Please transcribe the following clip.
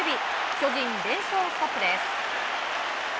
巨人、連勝ストップです。